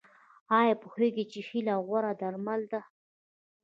ایا پوهیږئ چې هیله غوره درمل ده؟